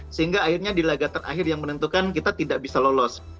sehingga akhirnya di laga terakhir yang menentukan kita tidak bisa lolos